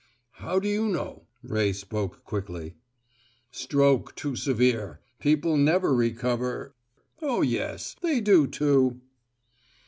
"How do you know?" Ray spoke quickly. "Stroke too severe. People never recover " "Oh, yes, they do, too."